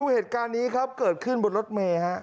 ผู้เหตุการณ์นี้ครับเกิดขึ้นบนรถเมฆครับ